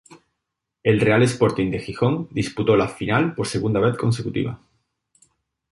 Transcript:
El Real Sporting de Gijón disputó la final por segunda vez consecutiva.